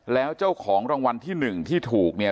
แล้วเจ้าของรางวัลที่๑ที่ถูกเนี่ย